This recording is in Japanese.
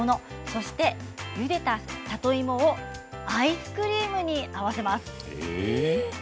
そしてゆでた里芋をアイスクリームに合わせます。